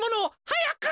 はやく！